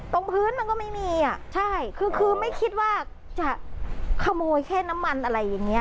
ตรงพื้นมันก็ไม่มีอ่ะใช่คือคือไม่คิดว่าจะขโมยแค่น้ำมันอะไรอย่างนี้